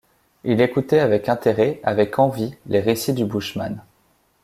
Il écoutait avec intérêt, avec envie les récits du bushman.